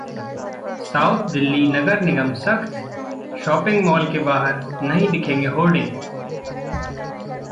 south Delhi नगर निगम सख्त, शॉपिंग मॉल के बाहर नहीं दिखेंगे होर्डिंग